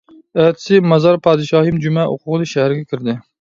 ئەتىسى مازار پادىشاھىم جۈمە ئوقۇغىلى شەھەرگە كىردى.